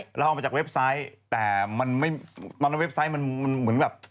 เราเอามาจากเว็บไซต์แต่มันไม่ตอนนั้นเว็บไซต์มันเหมือนแบบ